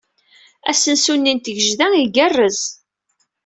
Asensu-nni n Tigejda igarrez